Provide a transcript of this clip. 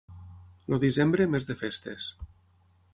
El desembre, mes de festes.